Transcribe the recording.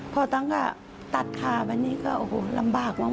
พอตั้งก็ตัดขาไปนี่ก็โอ้โหลำบากมาก